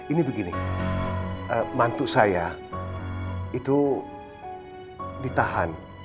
ini begini mantu saya itu ditahan